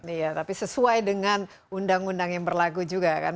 iya tapi sesuai dengan undang undang yang berlaku juga kan